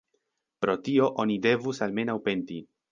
Pro tio oni devus almenaŭ penti.